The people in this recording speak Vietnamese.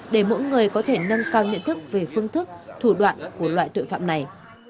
để mỗi người có thể nâng cao nhận thức về phương thức thủ đoạn của loại tội phạm này